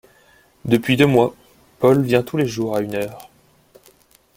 Depuis deux mois, Paul vient tous les jours à une heure…